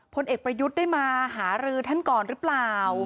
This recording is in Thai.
พลเอกประยุทธ์ได้มาหารือท่านก่อนหรือเปล่า